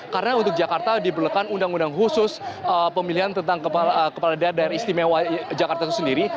karena untuk jakarta diberikan undang undang khusus pemilihan tentang kepala daerah istimewa jakarta itu sendiri